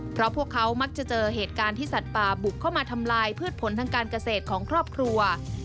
เพราะพวกเขามักจะเจอเหตุการณ์ที่สัตว์ป่าบุกเข้ามาทำลายพืชผลทางการเกษตรของครอบครัว